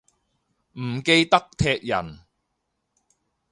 唔記得踢人